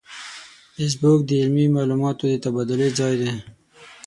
فېسبوک د علمي معلوماتو د تبادلې ځای دی